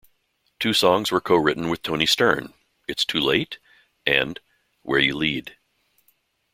Two songs were co-written with Toni Stern: "It's Too Late" and "Where You Lead".